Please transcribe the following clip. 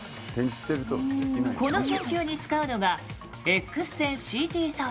この研究に使うのがＸ線ＣＴ装置。